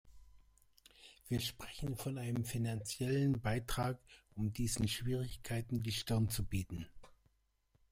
Wir sprechen von einem finanziellen Beitrag, um diesen Schwierigkeiten die Stirn zu bieten.